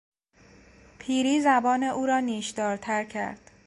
پیری زبان او را نیشدارتر کرد.